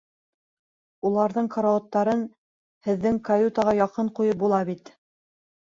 Уларҙың карауаттарын һеҙҙең каютаға яҡын ҡуйып була бит.